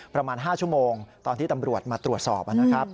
ประมาณ๕ชั่วโมงตอนที่ตำรวจมาตรวจสอบนะครับ